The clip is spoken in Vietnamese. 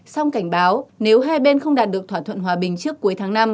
song cảnh báo nếu hai bên không đạt được thỏa thuận hòa bình trước cuối tháng năm